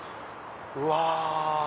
うわ！